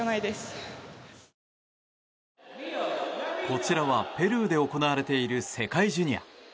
こちらはペルーで行われている世界ジュニア。